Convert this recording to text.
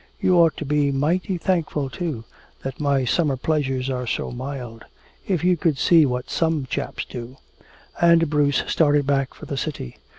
You ought to be mighty thankful, too, that my summer pleasures are so mild. If you could see what some chaps do " And Bruce started back for the city.